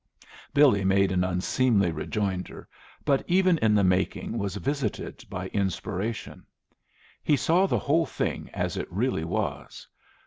Billy made an unseemly rejoinder, but even in the making was visited by inspiration. He saw the whole thing as it really was.